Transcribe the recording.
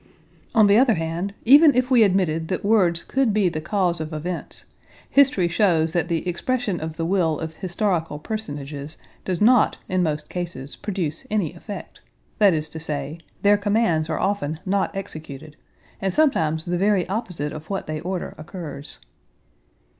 On the other hand, even if we admitted that words could be the cause of events, history shows that the expression of the will of historical personages does not in most cases produce any effect, that is to say, their commands are often not executed, and sometimes the very opposite of what they order occurs.